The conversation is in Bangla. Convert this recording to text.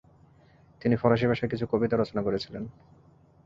তিনি ফরাসি ভাষায় কিছু কবিতা রচনা করেছিলেন।